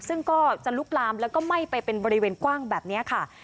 ซึ่งก็จะลุกลามแล้วก็ไหม้ไปเป็นบริเวณกว้างแบบนี้ค่ะ